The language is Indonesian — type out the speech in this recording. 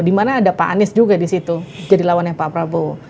dimana ada pak anies juga disitu jadi lawannya pak prabowo